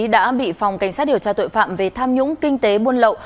đã bị phòng cảnh sát điều tra tội phạm về tham nhũng kinh tế buôn lậu